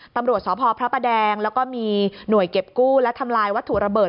ตำรวจสพพระประแดงแล้วก็มีหน่วยเก็บกู้และทำลายวัตถุระเบิด